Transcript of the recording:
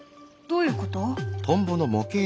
どういうこと？